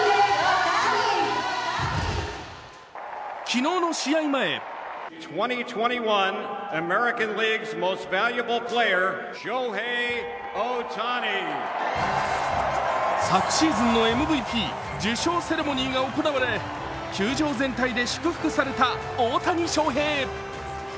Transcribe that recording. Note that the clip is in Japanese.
昨日の試合前昨シーズンのＭＶＰ受賞セレモニーが行われ球場全体で祝福された大谷翔平。